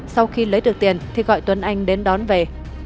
sau khi lấy được tiền thì gọi tuấn anh đến đón về